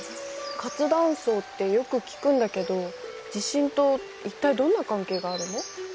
活断層ってよく聞くんだけど地震と一体どんな関係があるの？